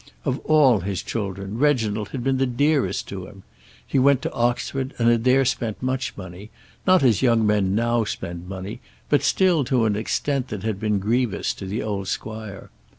Of all his children, Reginald had been the dearest to him. He went to Oxford, and had there spent much money; not as young men now spend money, but still to an extent that had been grievous to the old squire.